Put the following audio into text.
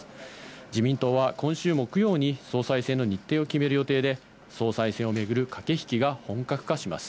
自民党は今週も木曜に総裁選の日程を決める予定で総裁選を巡る駆け引きが本格化します。